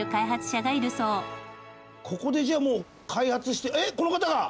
ここでじゃあもう開発してえっこの方が？